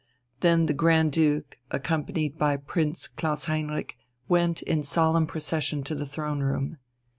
Then the Grand Duke, accompanied by Prince Klaus Heinrich, went in solemn procession to the Throne room.